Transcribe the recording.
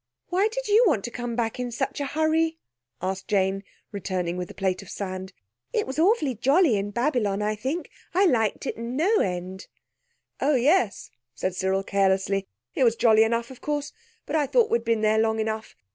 "Why did you want to come back in such a hurry?" asked Jane, returning with the plate of sand. "It was awfully jolly in Babylon, I think! I liked it no end." "Oh, yes," said Cyril carelessly. "It was jolly enough, of course, but I thought we'd been there long enough.